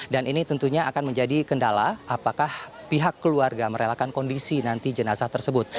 dan ini tentunya akan menjadi kendala apakah pihak keluarga merelakan kondisi nanti jenazah tersebut